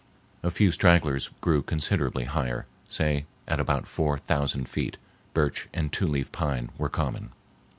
A few stragglers grew considerably higher, say at about four thousand feet. Birch and two leaf pine were common.